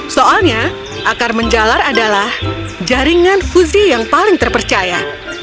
soalnya akar menjalar adalah jaringan fuzi yang paling terpercaya